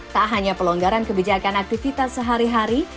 tak hanya pelonggaran kebijakan aktivitas sehari hari